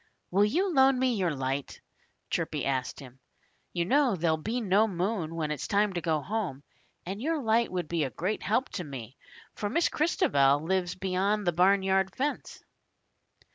"Will you loan me your light?" Chirpy asked him. "You know there'll be no moon when it's time to go home. And your light would be a great help to me, for Miss Christabel lives beyond the barnyard fence."